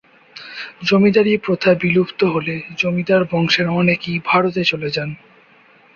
জমিদারী প্রথা বিলুপ্ত হলে জমিদার বংশের অনেকেই ভারতে চলে যান।